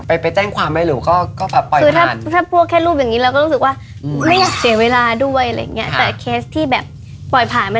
ไปแจ้งความหรือคงออกภาษา